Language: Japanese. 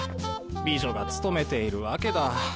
美女が勤めているわけだ。